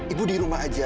ibu di rumah aja